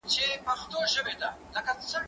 هغه څوک چي ليکنې کوي پوهه زياتوي،